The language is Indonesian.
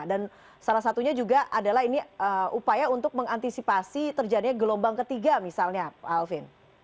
dan salah satunya juga adalah ini upaya untuk mengantisipasi terjadinya gelombang ketiga misalnya alvin